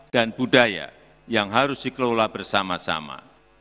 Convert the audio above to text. dan budaya yang harus dikelola bersama sama